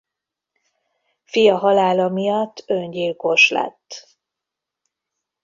Fia halála miatt öngyilkos lett.